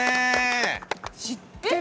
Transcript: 知ってる！